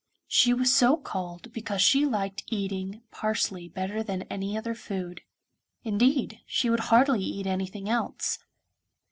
She was so called because she liked eating parsley better than any other food, indeed she would hardly eat anything else.